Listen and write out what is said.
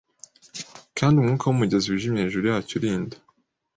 Kandi umwuka wumugezi wijimye hejuru yacyo urinda